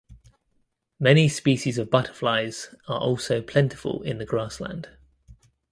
Many species of butterflies are also plentiful in the grassland.